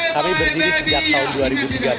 kami berdiri sejak tahun dua ribu tiga belas